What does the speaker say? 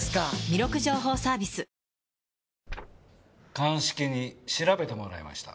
鑑識に調べてもらいました。